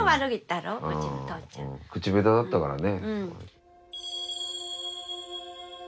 口下手だったからね。